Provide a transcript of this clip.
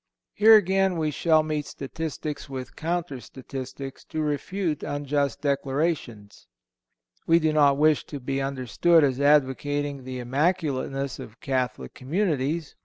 Here again we shall meet statistics with counter statistics to refute unjust declarations. We do not wish to be understood as advocating the immaculateness of Catholic communities.